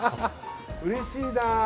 うれしいな。